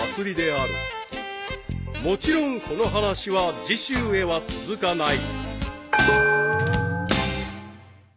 ［もちろんこの話は次週へは続かない］